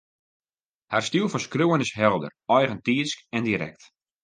Har styl fan skriuwen is helder, eigentiidsk en direkt